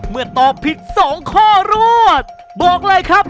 ตอบผิด๒ข้อรวดบอกเลยครับ